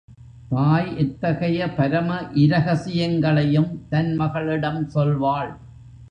தாய் எத்தகைய பரம இரகசியங்களையும் தன் மகளிடம் சொல்வாள்.